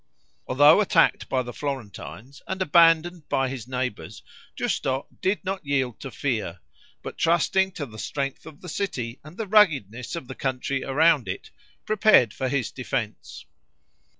Although attacked by the Florentines and abandoned by his neighbors, Giusto did not yield to fear; but, trusting to the strength of the city and the ruggedness of the country around it, prepared for his defense.